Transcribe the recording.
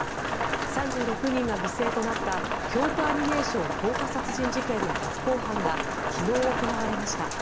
３６人が犠牲となった京都アニメーション放火殺人事件の初公判が昨日行われました。